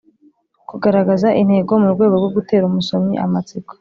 kugaragaza intego mu rwego rwo gutera umusomyi amatsiko